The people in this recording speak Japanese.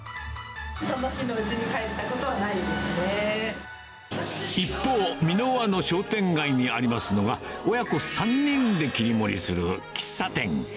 その日のうちに帰ったことは一方、三ノ輪の商店街にありますのが、親子３人で切り盛りする喫茶店。